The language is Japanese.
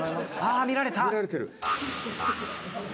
あ見られた！